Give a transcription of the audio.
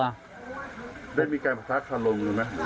ได้มีการผดัดทะเลามากรูมั้ย